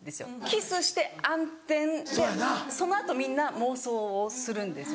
キスして暗転でその後みんな妄想をするんですよね。